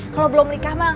kalau belum menikah mah